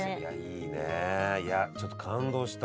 いやちょっと感動した。